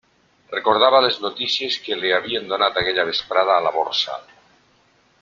Recordava les notícies que li havien donat aquella vesprada a la Borsa.